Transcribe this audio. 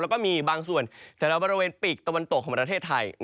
แล้วก็มีบางส่วนแถวบริเวณปีกตะวันตกของประเทศไทย